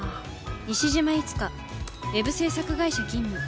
西島いつかウェブ制作会社勤務